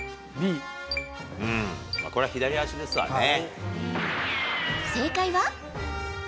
これは左足ですわね。